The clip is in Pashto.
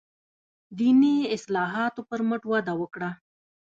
دیني اصلاحاتو پر مټ وده وکړه.